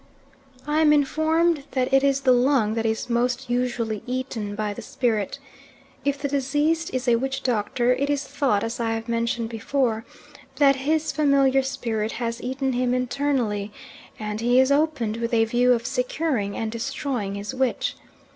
I am informed that it is the lung that is most usually eaten by the spirit. If the deceased is a witch doctor it is thought, as I have mentioned before, that his familiar spirit has eaten him internally, and he is opened with a view of securing and destroying his witch.